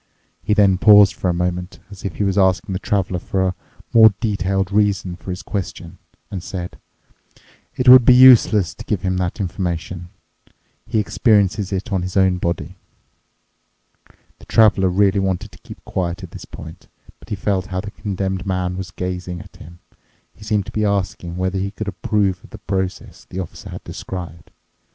He then paused for a moment, as if he was asking the Traveler for a more detailed reason for his question, and said, "It would be useless to give him that information. He experiences it on his own body." The Traveler really wanted to keep quiet at this point, but he felt how the Condemned Man was gazing at him—he seemed to be asking whether he could approve of the process the Officer had described.